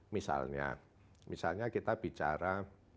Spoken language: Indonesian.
misalnya kita bicara